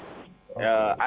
ada yang memang mengatakan